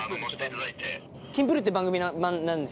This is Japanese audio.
『キンプる。』って番組なんです。